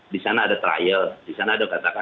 di sana ada trial di sana ada katakan